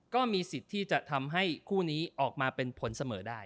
ก็มีสิทธิ์ที่จะทำให้คู่นี้ออกมาเป็นผลเสมอได้